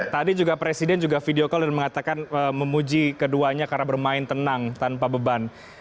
tadi juga presiden juga video call dan mengatakan memuji keduanya karena bermain tenang tanpa beban